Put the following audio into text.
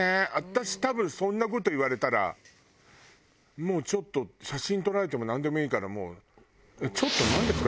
私多分そんな事言われたらもうちょっと写真撮られてもなんでもいいからもう。